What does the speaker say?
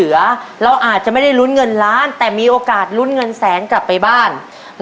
ดอกบัวจริงจริงมีแค่สามดอก